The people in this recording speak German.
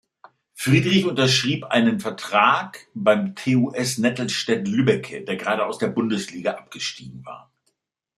Friedrich unterschrieb einen Vertrag beim TuS Nettelstedt-Lübbecke, der gerade aus der Bundesliga abgestiegen war.